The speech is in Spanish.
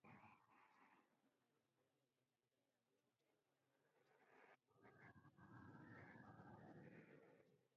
Está casada con Aditya Mittal, hijo del millonario Lakshmi Mittal, dueño de ArcelorMittal